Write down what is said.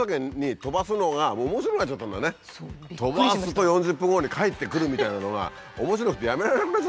飛ばすと４０分後に帰ってくるみたいなのが面白くてやめられなくなっちゃったんでしょ。